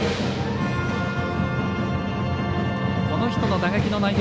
この人の打撃の内容